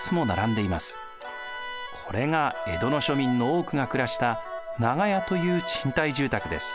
これが江戸の庶民の多くが暮らした長屋という賃貸住宅です。